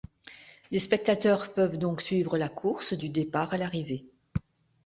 Les spectateurs peuvent donc suivre la course du départ à l'arrivée.